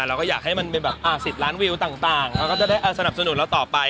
เราก็อยากให้มันเป็นแบบ๑๐ล้านวิวต่างเราก็จะได้สนับสนุนเราต่อไป